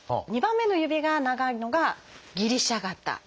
２番目の指が長いのが「ギリシャ型」。